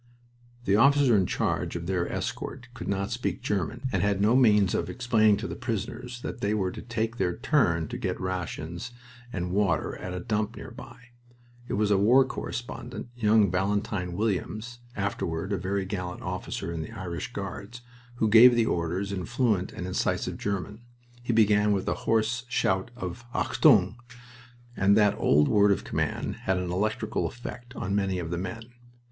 The officer in charge of their escort could not speak German and had no means of explaining to the prisoners that they were to take their turn to get rations and water at a dump nearby. It was a war correspondent, young Valentine Williams, afterward a very gallant officer in the Irish Guards who gave the orders in fluent and incisive German. He began with a hoarse shout of "Achtung!" and that old word of command had an electrical effect on many of the men.